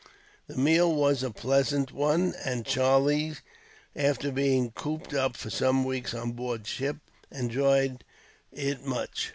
The meal was a pleasant one, and Charlie, after being cooped up for some weeks on board ship, enjoyed it much.